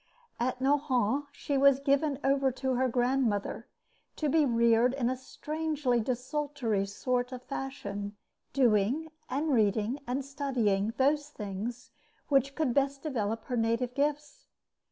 At Nohant she was given over to her grand mother, to be reared in a strangely desultory sort of fashion, doing and reading and studying those things which could best develop her native gifts.